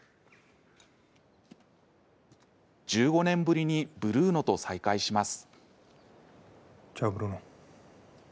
１５年ぶりにブルーノと再会します。